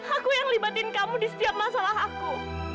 aku yang libatin kamu di setiap masalah aku